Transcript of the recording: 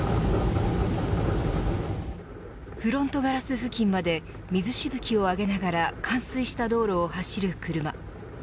フロントガラス付近まで水しぶきを上げながら冠水した道路を走る車。